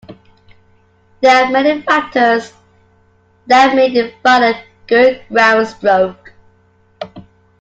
There are many factors that may define a good groundstroke.